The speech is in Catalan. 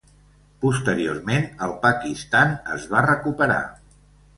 Posteriorment el Pakistan es va recuperar.